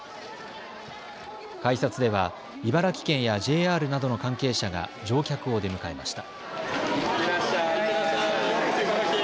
改札では茨城県やＪＲなどの関係者が乗客を出迎えました。